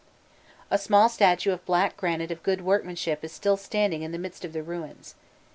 A small statue of black granite of good workmanship is still standing in the midst of the ruins.